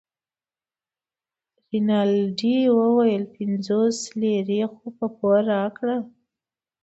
رینالډي وویل پنځوس لیرې خو په پور راکړه.